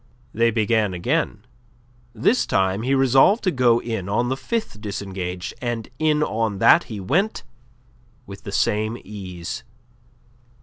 They began again. This time he resolved to go in on the fifth disengage, and in on that he went with the same ease.